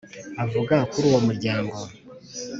avuga kuri uwo muryango .